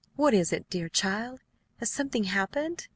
"What is it, dear child? Has something happened?"